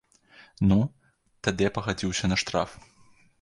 Ну, тады я пагадзіўся на штраф.